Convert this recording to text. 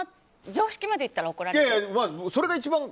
常識まで言ったら怒られる？